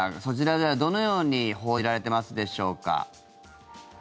そちらではどのように報じられていますでしょうか。